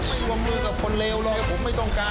วงมือกับคนเลวเลยผมไม่ต้องการ